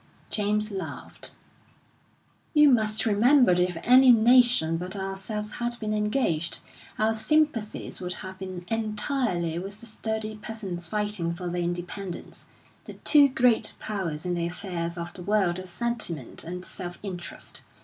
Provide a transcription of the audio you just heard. James laughed. "You must remember that if any nation but ourselves had been engaged, our sympathies would have been entirely with the sturdy peasants fighting for their independence. The two great powers in the affairs of the world are sentiment and self interest.